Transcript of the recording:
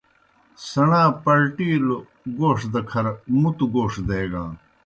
سیْݨا پلٹِیلوْ گوݜ دہ کھر مُتوْ گوݜ دیگان۔